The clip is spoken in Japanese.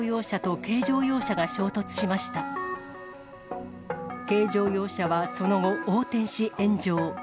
軽乗用車はその後、横転し炎上。